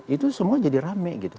itu semua jadi rame gitu